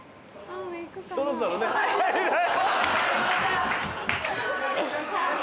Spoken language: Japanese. そろそろね早い。